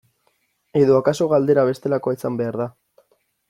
Edo akaso galdera bestelakoa izan behar da.